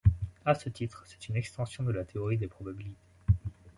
À ce titre, c'est une extension de la théorie des probabilités.